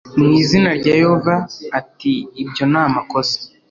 mu izina rya yehova ati ibyo namakosa